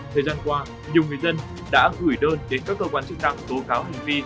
thời gian qua nhiều người dân đã gửi đơn đến các cơ quan chức năng bố cáo hình phi